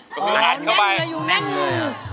อ๋อแน่นมาอยู่แน่นมาอยู่